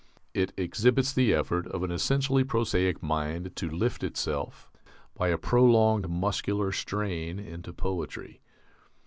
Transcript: It exhibits the effort of an essentially prosaic mind to lift itself, by a prolonged muscular strain, into poetry.